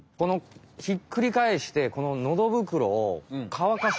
ひっくり返してこののど袋を乾かしてる。